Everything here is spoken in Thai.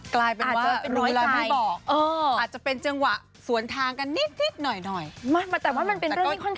กลายเป็นว่ากลายเป็นวิวไล่พี่บอก